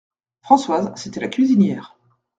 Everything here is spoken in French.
Françoise, c'était la cuisinière.